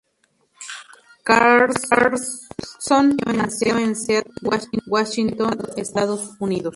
Carlson nació en Seattle, Washington, Estados Unidos.